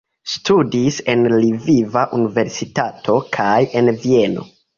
Studis en Lviva Universitato kaj en Vieno.